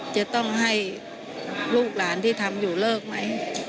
จะต้องให้ลูกหลานที่ทำอยู่เลิกไหม